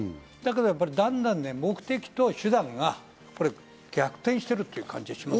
だけど、だんだん目的と手段が逆転している感じがします。